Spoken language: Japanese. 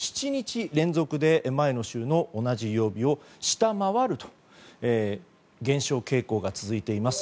さて、東京都は昨日まで２７日連続で前の週の同じ曜日を下回ると減少傾向が続いています。